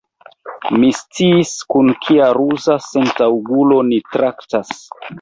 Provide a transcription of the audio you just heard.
Mi sciis, kun kia ruza sentaŭgulo ni traktas.